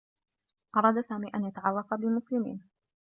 أراد سامي أن يتعرّف بمسلمين.